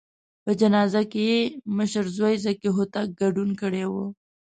په جنازه کې یې مشر زوی ذکي هوتک ګډون کړی و.